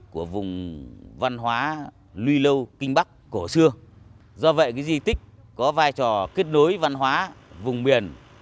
của vùng văn hóa nuôi lâu kinh bắc cổ xưa do vậy di tích có vai trò kết nối văn hóa vùng miền